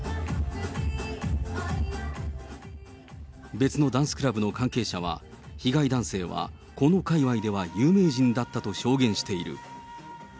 別のダンスクラブの関係者は、被害男性はこの界わいでは有名人だったと証言している。